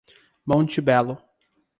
Monte Belo